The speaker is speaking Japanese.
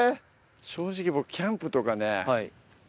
正直僕キャンプとかね